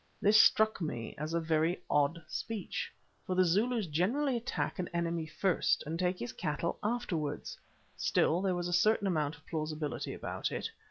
This struck me as a very odd speech, for the Zulus generally attack an enemy first and take his cattle afterwards; still, there was a certain amount of plausibility about it.